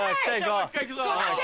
もう１回いくぞ。